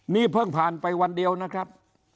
นี่เพิ่งผ่านไปวันเดียวนะครับ